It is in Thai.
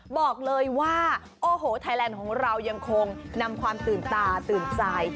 บอกเลยว่าโอ้โหไทยแลนด์ของเรายังคงนำความตื่นตาตื่นใจ